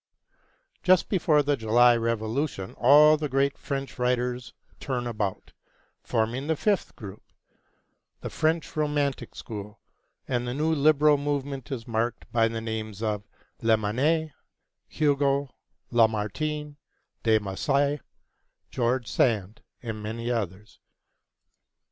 Just before the July Revolution all the great French writers turn about, forming the fifth group, the French romantic school, and the new liberal movement is marked by the names of Lamennais, Hugo, Lamartine, De Musset, George Sand, and many others.